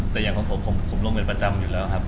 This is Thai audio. แต่อย่างของผมผมลงเป็นประจำอยู่แล้วครับ